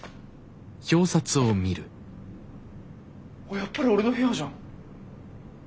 やっぱり俺の部屋じゃん。